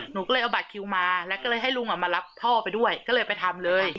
หนูก็เลยเอาบัตรคิวมาแล้วก็เลยให้ลุงมารับพ่อไปด้วยก็เลยไปทำเลย